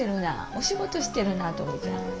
お仕事してるなトムちゃん。